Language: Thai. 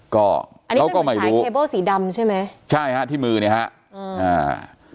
ก็แล้วก็ไม่รู้สายสีดำใช่ไหมใช่ฮะที่มือเนี้ยฮะอืออ่า